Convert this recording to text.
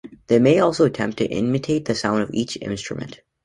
They may also attempt to imitate the sound of each instrument.